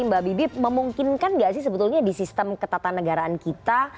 mbak bibi memungkinkan nggak sih sebetulnya di sistem ketatan negaraan kita